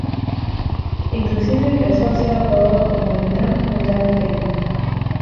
Inclusive empezó a ser apodado como el "Gran General Peng".